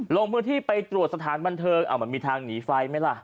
ลงพื้นที่ไปตรวจสถานบันเทิงมันมีทางหนีไฟไหมล่ะ